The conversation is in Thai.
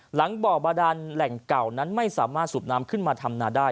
หลังบ่อบาดานแหล่งเก่านั้นไม่สามารถสูบน้ำขึ้นมาทำนาได้